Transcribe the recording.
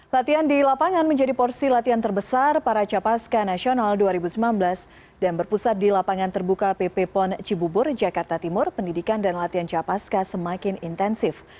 latihan di lapangan menjadi porsi latihan terbesar para capaska nasional dua ribu sembilan belas dan berpusat di lapangan terbuka pp pon cibubur jakarta timur pendidikan dan latihan capaska semakin intensif